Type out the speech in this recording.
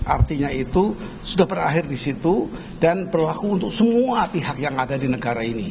artinya itu sudah berakhir di situ dan berlaku untuk semua pihak yang ada di negara ini